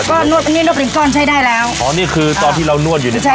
ก็นวดอันนี้นวดเป็นก้อนใช้ได้แล้วอ๋อนี่คือตอนที่เรานวดอยู่เนี่ยใช่